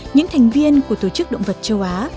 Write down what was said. những thành viên của tổ chức động vật châu á